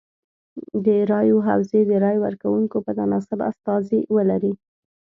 د رایو حوزې د رای ورکوونکو په تناسب استازي ولري.